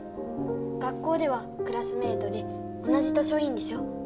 学校ではクラスメートで同じ図書いいんでしょ。